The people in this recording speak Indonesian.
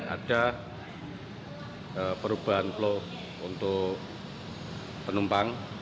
ada perubahan flow untuk penumpang